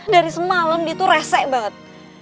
dari semalam dia tuh rese banget